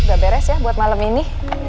gak beres ya buat malam ini